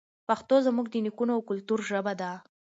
پښتو زموږ د نیکونو او کلتور ژبه ده.